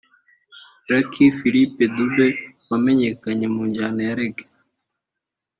Lucky Philip Dube wamenyekanye mu njyana ya Reggae